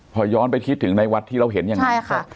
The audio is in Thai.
พอย้อนไปคิดถึงในวัดที่เราเห็นยังไงใช่ค่ะ